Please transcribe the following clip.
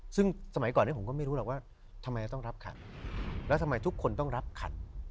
ซึ่งสมัยก่อนนี้ผมก็ไม่รู้หรอกว่าทำไมจะต้องรับขัดแล้วทำไมทุกคนต้องรับขัด